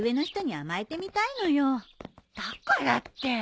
だからって！